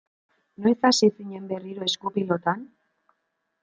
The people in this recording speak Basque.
Noiz hasi zinen berriro esku-pilotan?